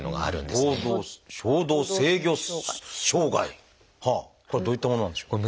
これはどういったものなんでしょうか？